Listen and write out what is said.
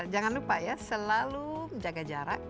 jangan lupa ya selalu jaga jarak